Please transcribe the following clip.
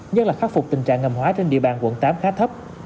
nhất là khắc phục tình trạng ngầm hóa trên địa bàn quận tám khá thấp